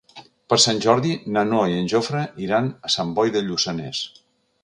Per Sant Jordi na Noa i en Jofre iran a Sant Boi de Lluçanès.